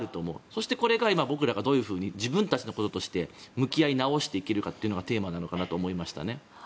そして、これから僕らがどういうふうに自分たちのこととして向き合いなおしていけるかがテーマだと思いましたね。